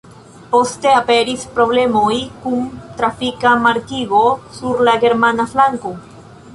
Poste aperis problemoj kun trafika markigo sur la germana flanko.